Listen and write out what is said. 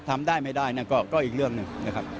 ทำได้แล้วก็อีกเรื่องหนึ่ง